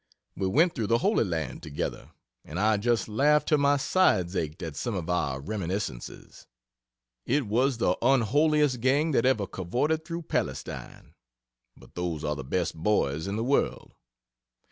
We went through the Holy Land together, and I just laughed till my sides ached, at some of our reminiscences. It was the unholiest gang that ever cavorted through Palestine, but those are the best boys in the world.